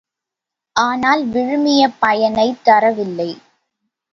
ஆனால் விழுமிய பயனைத் தரவில்லை.